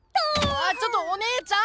あちょっとお姉ちゃん！